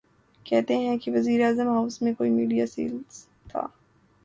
کہتے ہیں کہ وزیراعظم ہاؤس میں کوئی میڈیا سیل تھا۔